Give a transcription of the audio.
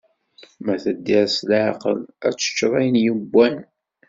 Ma teddiḍ s laɛqel, ad teččeḍ ayen yewwan.